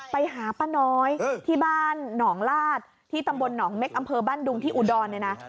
ไปหาป้าน้อยที่บ้านหนองลาดที่ตำบลหนองเม็กอำเภอบ้านดุงที่อุดรเนี่ยนะ